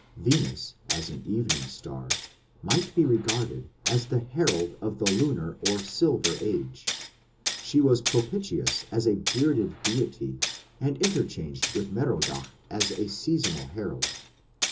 Venus as an evening star might be regarded as the herald of the lunar or silver age; she was propitious as a bearded deity and interchanged with Merodach as a seasonal herald.